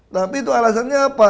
tapi itu alasannya apa